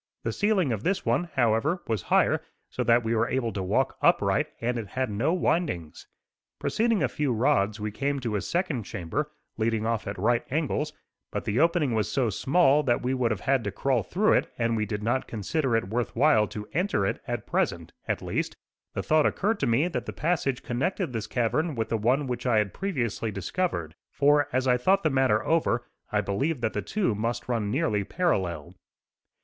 The ceiling of this one, however, was higher so that we were able to walk upright; and it had no windings. Proceeding a few rods we came to a second chamber, leading off at right angles; but the opening was so small that we would have had to crawl through it and we did not consider it worth while to enter it, at present, at least. The thought occurred to me that the passage connected this cavern with the one which I had previously discovered; for, as I thought the matter over, I believed that the two must run nearly parallel.